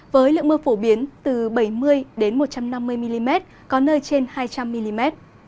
với lượng mưa phổ biến từ bảy mươi một trăm năm mươi mm có nơi trên hai trăm linh mm